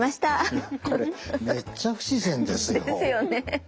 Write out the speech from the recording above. いやこれめっちゃ不自然ですよ。ですよね。